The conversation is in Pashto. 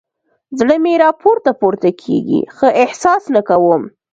زړه مې راپورته پورته کېږي؛ ښه احساس نه کوم.